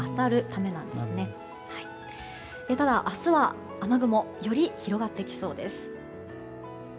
ただ、明日は雨雲より広がってきそうです。